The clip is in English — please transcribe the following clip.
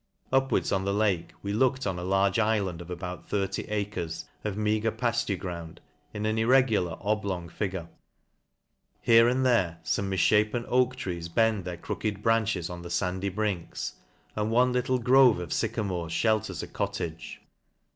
• Upwards on the lake, we looked on a large ifland of about thirty acres, of meagre pafture ground, in an, irregular oblong figure ; here and there fome misfhapen oak trees bend their crooked branches on the fandy brinks, and one little grove of fycamores flielters a cottage.